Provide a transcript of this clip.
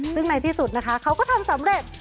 ซึ่งในที่สุดนะคะเขาก็ทำสำเร็จ